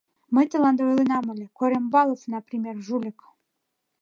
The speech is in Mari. Мый тыланда ойленам ыле: Корембалов, например, жульык...